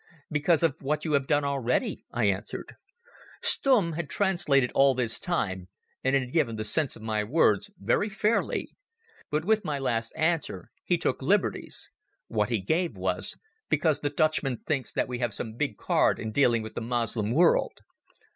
"Because of what you have done already," I answered. Stumm had translated all this time, and had given the sense of my words very fairly. But with my last answer he took liberties. What he gave was: "Because the Dutchman thinks that we have some big card in dealing with the Moslem world."